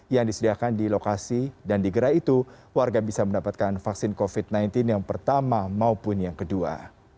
yang disediakan di lokasi dan di gerai itu warga bisa mendapatkan vaksin covid sembilan belas yang pertama maupun yang kedua